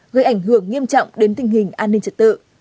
gây ảnh hưởng nghiêm trọng đến tình hình an ninh trật tự